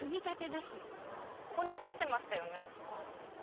ここに差してましたよね。